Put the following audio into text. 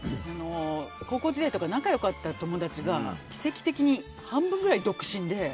高校時代とか仲良かった友達が奇跡的に半分くらい独身で。